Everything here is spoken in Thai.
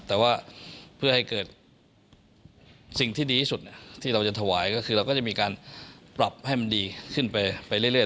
แต่ว่าเพื่อให้เกิดสิ่งที่ดีที่สุดที่เราจะถวายก็คือเราก็จะมีการปรับให้มันดีขึ้นไปเรื่อย